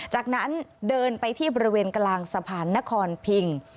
จากนั้นเดินไปที่บริเวณกลางสะพานนครพิง